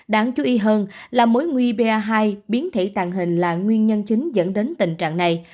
đáng chú ý hơn là mối nguy pa hai biến thể tàng hình là nguyên nhân chính dẫn đến tình trạng này